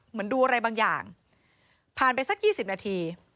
เหมือนดูอะไรบางอย่างผ่านไปสักยี่สิบนาที